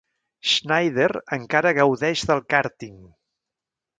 Schneider encara gaudeix del kàrting.